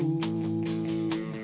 kok lu benar benar ada kan